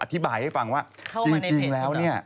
อธิบายให้ฟังว่าจริงแล้วเนี่ย